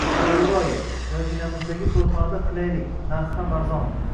To`g`ri, oyi, yonginamizdagi to`yxonada qilaylik, narxi ham arzon